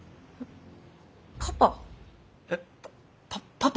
パパ？